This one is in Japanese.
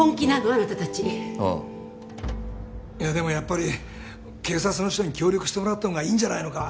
あなた達うんいやでもやっぱり警察の人に協力してもらった方がいいんじゃないのか？